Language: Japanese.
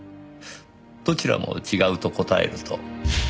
どちらも違うと答えると。